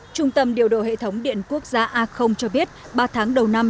trung tâm điều độ hệ thống điện quốc gia a cho biết ba tháng đầu năm